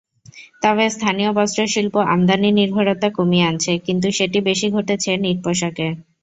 তবে স্থানীয় বস্ত্রশিল্প আমদানিনির্ভরতা কমিয়ে আনছে, কিন্তু সেটি বেশি ঘটেছে নিট পোশাকে।